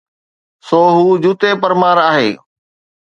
سو هو جوتي پرمار آهي.